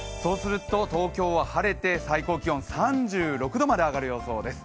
東京は晴れて最高気温３６度まで上がる予想です。